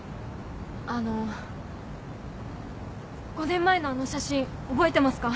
５年前のあの写真覚えてますか？